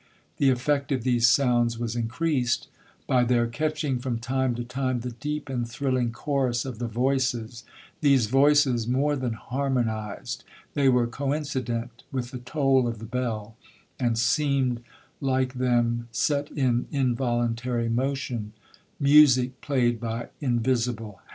'1 The effect of these sounds was increased, by their catching from time to time the deep and thrilling chorus of the voices,—these voices more than harmonized, they were coincident with the toll of the bell, and seemed like them set in involuntary motion,—music played by invisible hands.